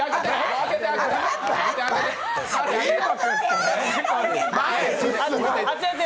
開けてあげて。